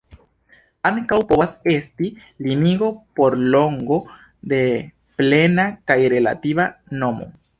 Ankaŭ povas esti limigo por longo de plena kaj relativa nomo.